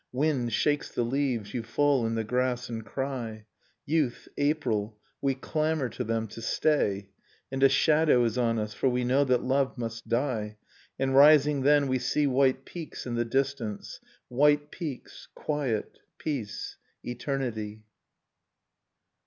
Wind shakes the leaves, you fall in the grass and cry. Youth ... April ... we clamor to them to stay, And a shadow is on us, for we know that love must die. And rising, then, we see white peaks in the distance ... White peaks ... quiet ... peace ... eternity